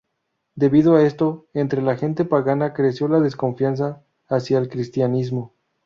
Debido a esto entre la gente pagana creció la desconfianza hacia el cristianismo.